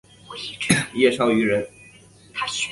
叶绍颙人。